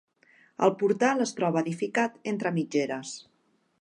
El portal es troba edificat entre mitgeres.